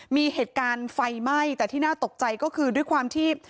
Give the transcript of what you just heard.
มีเหตุการณ์ไฟไหม้แต่ที่น่าตกใจก็คือด้วยความที่